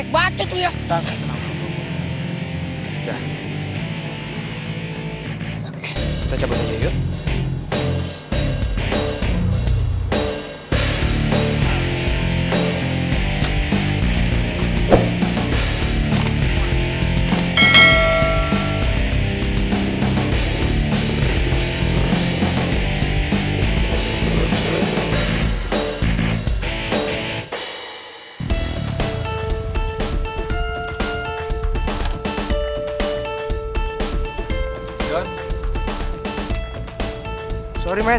baik banget itu ya